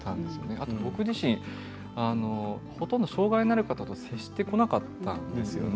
あと、僕自身ほとんど障害のある方と接してこなかったんですよね。